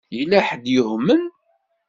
Yella ḥedd yuhmen?